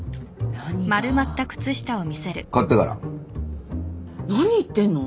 何言ってんの？